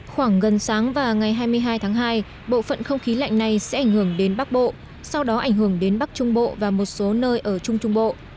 khoảng gần sáng và ngày hai mươi hai tháng hai bộ phận không khí lạnh này sẽ ảnh hưởng đến bắc bộ sau đó ảnh hưởng đến bắc trung bộ và một số nơi ở trung trung bộ